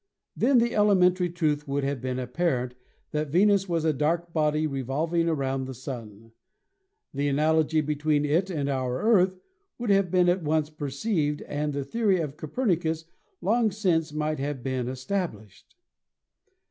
Then the elementary truth would have been apparent that Venus was a dark body revolving around the Sun. The analogy between it and our Earth would have 136 ASTRONOMY been at once perceived and the theory of Copernicus long since might have been established.